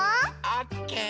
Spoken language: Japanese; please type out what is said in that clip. オッケー！